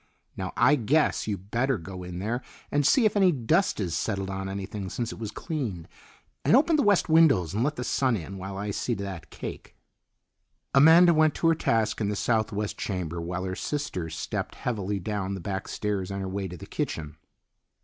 "Now I guess you'd better go in there and see if any dust has settled on anything since it was cleaned, and open the west windows and let the sun in, while I see to that cake." Amanda went to her task in the southwest chamber while her sister stepped heavily down the back stairs on her way to the kitchen.